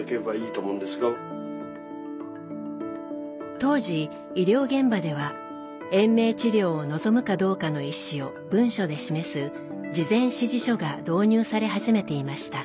当時医療現場では延命治療を望むかどうかの意思を文書で示す事前指示書が導入され始めていました。